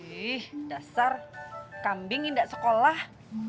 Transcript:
ini dasar kambing indah sekolah